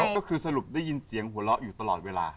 ก็คือสรุปได้ยินเสียงหัวเราะอยู่ตลอดเวลา